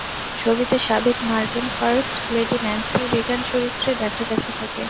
ছবিতে সাবেক মার্কিন ফার্স্ট লেডি ন্যান্সি রিগ্যান চরিত্রে দেখা গেছে তাঁকে।